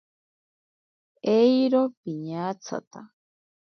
Eiro piñatsata.